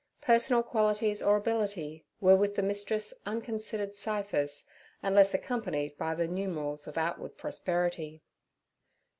Personal qualities or ability were with the mistress unconsidered ciphers, unless accompanied by the numerals of outward prosperity.